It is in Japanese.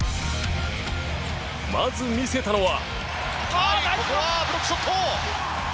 まず見せたのは。